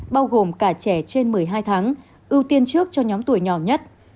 bao gồm cả trẻ trên một mươi hai tháng ưu tiên trước cho nhóm tuổi nhỏ nhất